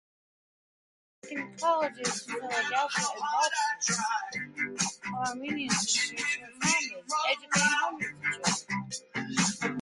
In Philadelphia and Boston Colleges of Armenian sisters were founded, educating hundreds of children.